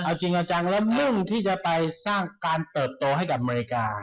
เอาจริงเอาจังแล้วมุ่งที่จะไปสร้างการเติบโตให้กับอเมริกา